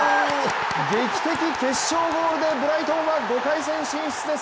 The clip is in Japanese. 劇的決勝ゴールでブライトンは５回戦進出です。